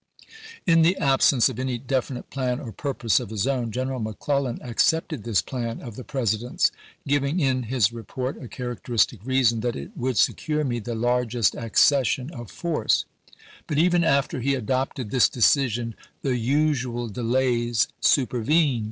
In the absence of any definite plan or purpose of his own, General McClellan accepted this plan of the President's, giving in his report a charac "w. E. teristic reason, that "it would secure me the Vol. XIX., .„„ Tr» PI Part^i largest accession of force." But even after he adopted this decision the usual delays supervened ; Oct.